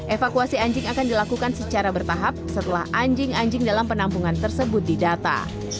evakuasi anjing akan dilakukan secara bertahap setelah anjing anjing dalam penampungan tersebut didata